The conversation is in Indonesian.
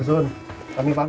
terima kasih pak